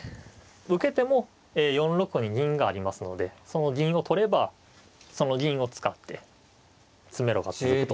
受けても４六に銀がありますのでその銀を取ればその銀を使って詰めろが続くと。